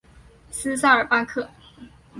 斯绍尔巴克。